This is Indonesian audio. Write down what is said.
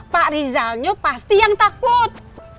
pak rijal nya pasti yang takut